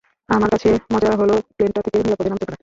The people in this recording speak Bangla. আমার কাছে মজা হল প্লেনটা থেকে নিরাপদে নামতে পারা।